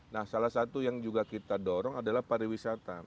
nah salah satu yang juga kita dorong adalah pariwisata